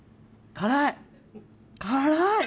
辛い！